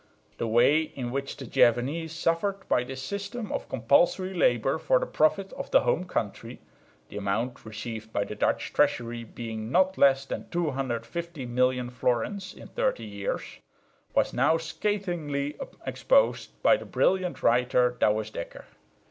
The way in which the Javanese suffered by this system of compulsory labour for the profit of the home country the amount received by the Dutch treasury being not less than 250 million florins in thirty years was now scathingly exposed by the brilliant writer Douwes Dekker.